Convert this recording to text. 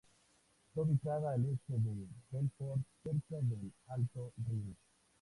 Está ubicada a al este de Belfort, cerca del Alto Rin.